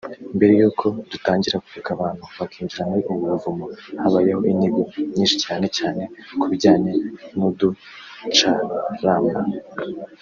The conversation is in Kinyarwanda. Mbere yuko dutangira kureka abantu bakinjira muri ubu buvumo habayeho inyigo nyinshi cyane cyane ku bijyanye n’uducarama